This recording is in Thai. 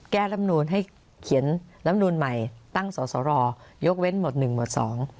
รำนูนให้เขียนลำนูนใหม่ตั้งสอสรยกเว้นหมวดหนึ่งหมวดสอง